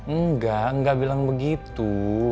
enggak enggak bilang begitu